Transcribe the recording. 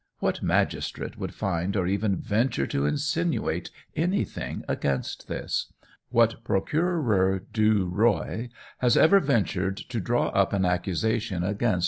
What magistrate would find or even venture to insinuate anything against this? What procureur du roi has ever ventured to draw up an accusation against M.